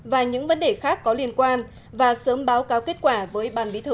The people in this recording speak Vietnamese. và những vấn đề khác có liên quan và sớm báo cáo kết quả với ban bí thư